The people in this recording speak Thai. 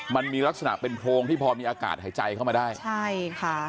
มันมีลักษณะเป็นโพรงที่พอมีอากาศหายใจเข้ามาได้ใช่ค่ะ